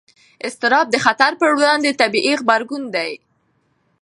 اضطراب د خطر پر وړاندې طبیعي غبرګون دی.